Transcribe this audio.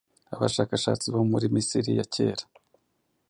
Abashakashatsi bo muri Misiri ya kera